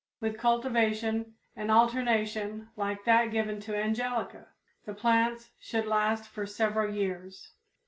With cultivation and alternation like that given to Angelica, the plants should last for several years.